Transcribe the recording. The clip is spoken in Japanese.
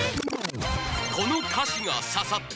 「この歌詞が刺さった！